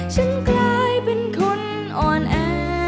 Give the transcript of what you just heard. ฉันกลายเป็นคนอ่อนแอ